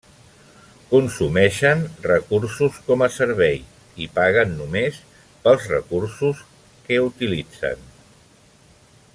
Consumeixen recursos com a servei i paguen només pels recursos que utilitzen.